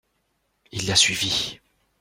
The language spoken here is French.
Il la suivit.